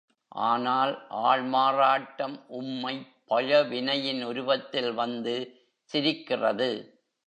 ஆனால், ஆள் மாறாட்டம் உம்மைப் பழவினையின் உருவத்தில் வந்து சிரிக்கிறது.